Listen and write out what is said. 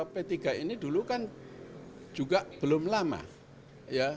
p tiga ini dulu kan juga belum lama ya